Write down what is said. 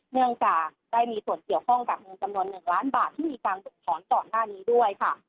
เนื่องจากได้มีส่วนเกี่ยวข้องกับเงินจำนวน๑ล้านบาทที่มีการฝึกถอนก่อนหน้านี้ด้วยค่ะ